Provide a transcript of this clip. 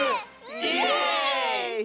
イエーイ！